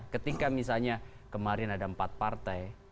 ketika misalnya kemarin ada empat partai